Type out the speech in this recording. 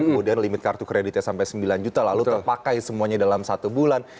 kemudian limit kartu kreditnya sampai sembilan juta lalu terpakai semuanya dalam satu bulan